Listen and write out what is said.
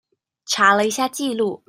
查了一下記錄